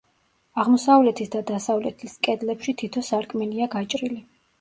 აღმოსავლეთის და დასავლეთის კედლებში თითო სარკმელია გაჭრილი.